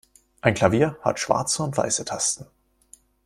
Ein Klavier hat schwarze und weiße Tasten.